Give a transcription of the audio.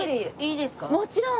もちろん。